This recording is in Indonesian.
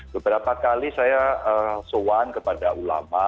beberapa kali saya soan kepada ulama